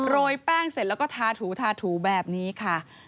ยแป้งเสร็จแล้วก็ทาถูทาถูแบบนี้ค่ะ